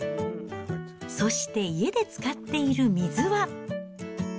そして家で使っている水は。